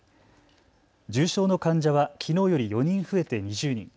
重症の患者はきのうより４人増えて２０人。